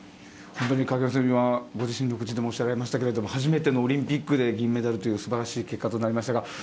本当に鍵山選手ご自身の口でもおっしゃられましたが初めてのオリンピックで銀メダルという素晴らしい結果となりました。